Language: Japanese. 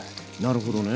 なるほどね。